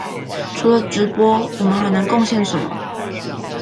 除了直播，我們還能貢獻什麼？